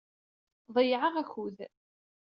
Ḍeyyɛeɣ akud.